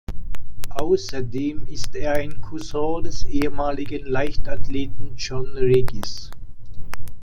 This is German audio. Außerdem ist er ein Cousin des ehemaligen Leichtathleten John Regis.